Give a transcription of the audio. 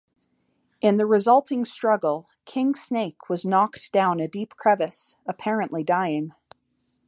In the resulting struggle, King Snake was knocked down a deep crevice, apparently dying.